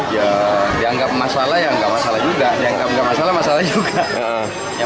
ya dianggap masalah ya nggak masalah juga